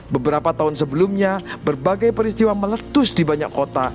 beberapa tahun sebelumnya berbagai peristiwa meletus di banyak kota